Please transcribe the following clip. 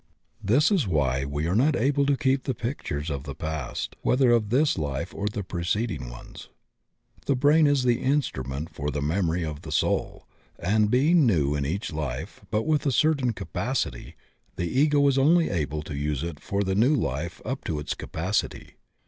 This is why we are not able to keep the pictures of the past, whether of this life or the preceding ones. The brain is the instrument for the memory of the soul, and, being new in each life but with a certain capacity, the Ego is only able to use it for the new life up to its capacity.